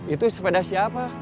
itu sepeda siapa